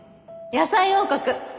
野菜王国！